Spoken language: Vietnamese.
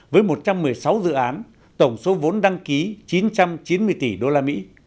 với một trăm một mươi sáu dự án tổng số vốn đăng ký chín trăm chín mươi tỷ usd